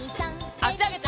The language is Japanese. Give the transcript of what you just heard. あしあげて。